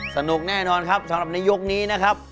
สนุกแน่นอนครับสำหรับในยกนี้นะครับ